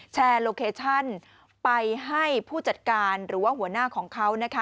โลเคชั่นไปให้ผู้จัดการหรือว่าหัวหน้าของเขานะคะ